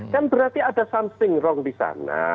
kan berarti ada something wrong di sana